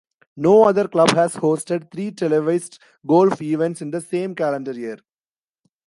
No other club has hosted three televised golf events in the same calendar year.